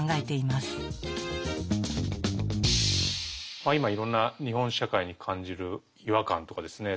まあ今いろんな日本社会に感じる違和感とかですね